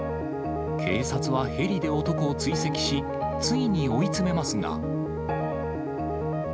警察はヘリで男を追跡し、ついに追い詰めますが。